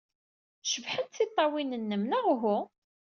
Cebḥent tiṭṭawin-nnem, neɣ uhu?